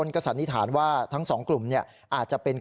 ถูกเอาวุดมีดฟันเข้าที่ข้อมือและแผ่นหลัง